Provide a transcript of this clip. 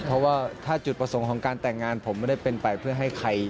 เพราะว่าถ้าจุดประสงค์ของการแต่งงานผมไม่ได้เป็นไปเพื่อให้ใคร